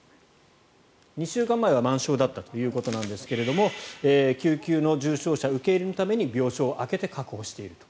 ２週間前は満床だったということなんですが救急の重症者を受け入れるために病床を空けて確保していると。